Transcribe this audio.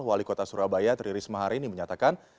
wali kota surabaya tri risma hari ini menyatakan